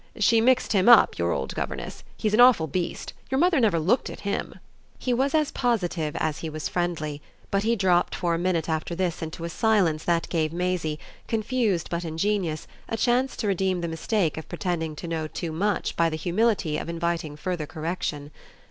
"She mixed him up, your old governess. He's an awful beast. Your mother never looked at him." He was as positive as he was friendly, but he dropped for a minute after this into a silence that gave Maisie, confused but ingenious, a chance to redeem the mistake of pretending to know too much by the humility of inviting further correction.